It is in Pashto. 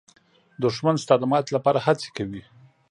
دښمن ستا د ماتې لپاره هڅې کوي